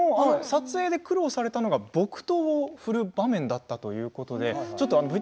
それで苦労されたのが木刀を振る場面だったそうです。